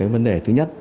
vấn đề thứ nhất